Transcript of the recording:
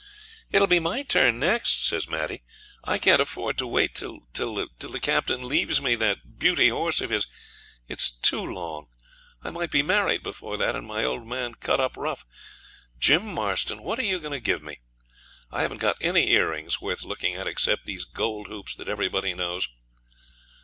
'It'll be my turn next,' says Maddie. 'I can't afford to wait till till the Captain leaves me that beauty horse of his. It's too long. I might be married before that, and my old man cut up rough. Jim Marston, what are you going to give me? I haven't got any earrings worth looking at, except these gold hoops that everybody knows.'